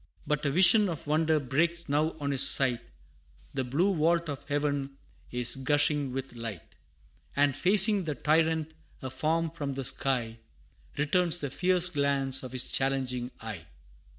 But a vision of wonder breaks now on his sight; The blue vault of heaven is gushing with light, And, facing the tyrant, a form from the sky Returns the fierce glance of his challenging eye.